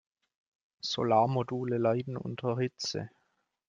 Solarmodule leiden unter Hitze.